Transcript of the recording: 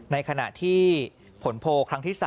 ในขณะที่ผลโพลครั้งที่๓